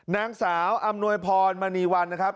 นางสาวอำนวยพรมณีวันนะครับ